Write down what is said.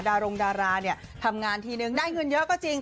ดารงดาราเนี่ยทำงานทีนึงได้เงินเยอะก็จริง